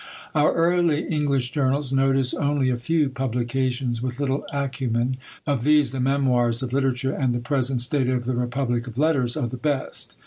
Our early English journals notice only a few publications, with little acumen. Of these, the "Memoirs of Literature," and the "Present State of the Republic of Letters," are the best.